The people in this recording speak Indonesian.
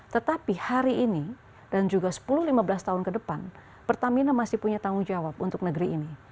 tetapi hari ini dan juga sepuluh lima belas tahun ke depan pertamina masih punya tanggung jawab untuk negeri ini